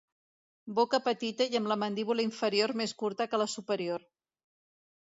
Boca petita i amb la mandíbula inferior més curta que la superior.